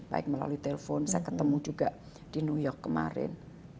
baik melalui telepon saya ketemu juga di new york kemarin